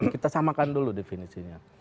kita samakan dulu definisinya